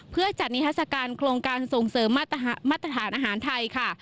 เพื่อจัดนิทัศกาลโครงการส่งเสริมมาตรฐานอาหารไทยค่ะ